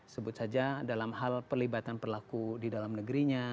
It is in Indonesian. sebut saja dalam hal pelibatan pelaku di dalam negerinya